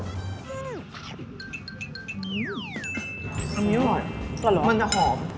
อันนี้อร่อยมันจะหอม